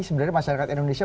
sebenarnya masyarakat indonesia